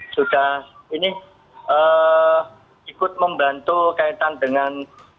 sudah ini ikut membantu kaitan dengan